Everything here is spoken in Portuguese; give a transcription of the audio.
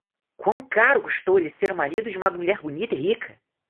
Quão caro custou a ele ser o marido de uma mulher bonita e rica!